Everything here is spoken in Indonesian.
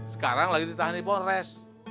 sekarang lagi ditahan di polres